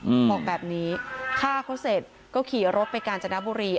อืมบอกแบบนี้ฆ่าเขาเสร็จก็ขี่รถไปกาญจนบุรี